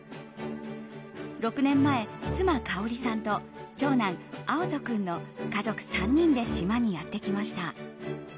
６年前、妻・香織さんと長男・蒼都君の家族３人で島にやってきました。